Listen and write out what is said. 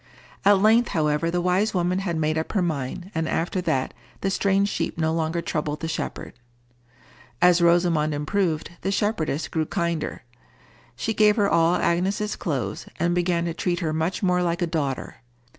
At length, however, the wise woman had made up her mind, and after that the strange sheep no longer troubled the shepherd. As Rosamond improved, the shepherdess grew kinder. She gave her all Agnes's clothes, and began to treat her much more like a daughter.